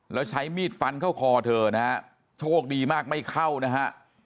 แล้วใช้มีดฟันเข้าคอเธอนะฮะโชคดีมากไม่เข้านะฮะ